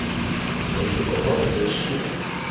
選舉公報的格式